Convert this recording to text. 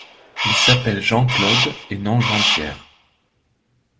Il s'appelle Jean-Claude et non Jean-Pierre.